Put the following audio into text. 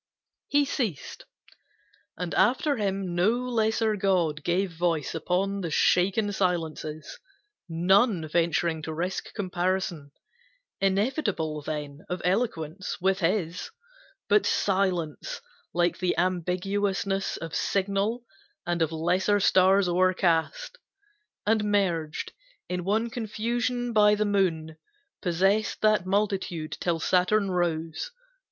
He ceased, and after him no lesser god Gave voice upon the shaken silences, None venturing to risk comparison, Inevitable then, of eloquence With his; but silence like the ambiguousness Of signal and of lesser stars o'ercast And merged in one confusion by the moon, Possessed that multitude, till Saturn rose.